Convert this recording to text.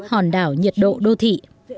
hòn đảo nhiệt độ đô thị